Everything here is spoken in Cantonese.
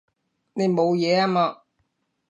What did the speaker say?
你冇嘢啊嘛？